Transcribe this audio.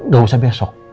gak usah besok